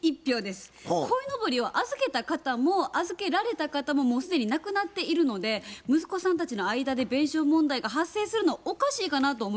こいのぼりを預けた方も預けられた方ももう既に亡くなっているので息子さんたちの間で弁償問題が発生するのはおかしいかなと思います。